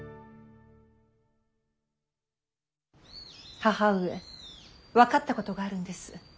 義母上分かったことがあるんです。